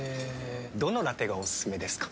どのラテがおすすめですか？